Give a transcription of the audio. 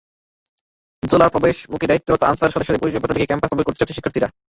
দোতলার প্রবেশমুখে দায়িত্বরত আনসার সদস্যদের পরিচয়পত্র দেখিয়ে ক্যাম্পাসে প্রবেশ করতে হচ্ছে শিক্ষার্থীদের।